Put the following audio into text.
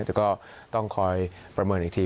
แต่ก็ต้องคอยประเมินอีกที